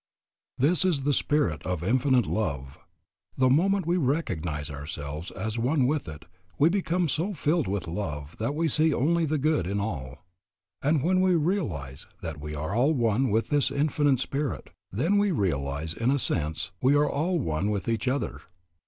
This is the Spirit of Infinite Love. The moment we recognize ourselves as one with it we become so filled with love that we see only the good in all. And when we realize that we are all one with this Infinite Spirit, then we realize that in a sense we are all one with each other.